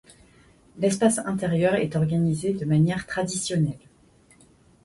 L'espace intérieur est organisé de manière traditionnelle.